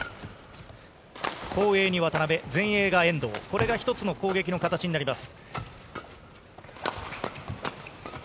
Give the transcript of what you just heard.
後衛に渡辺、前衛が遠藤、これが一つの攻撃の形になります。